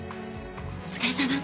お疲れさま。